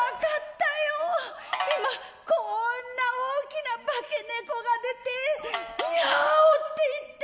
今こんな大きな化け猫が出てニャオって言って」。